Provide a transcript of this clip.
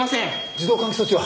自動換気装置は？